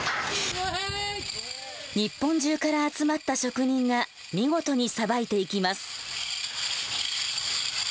日本中から集まった職人が見事にさばいていきます。